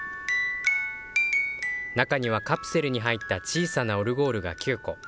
中には、カプセルに入った小さなオルゴールが９個。